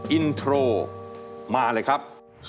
อินโทรมาเลยครับ